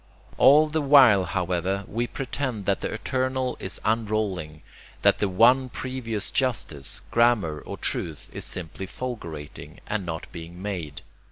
All the while, however, we pretend that the eternal is unrolling, that the one previous justice, grammar or truth is simply fulgurating, and not being made.